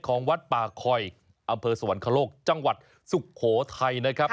ของวัดป่าคอยอำเภอสวรรคโลกจังหวัดสุโขทัยนะครับ